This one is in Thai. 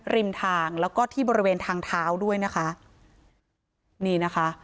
ริมทางแล้วก็ที่บริเวณทางเท้าด้วยนะคะนี่นะคะ